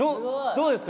どうですか？